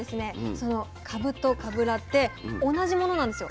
そのかぶとかぶらって同じものなんですよ。